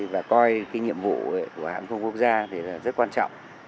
và coi cái nhiệm vụ của hãng hàng không quốc gia thì rất quan trọng